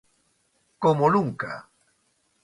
Como nunca.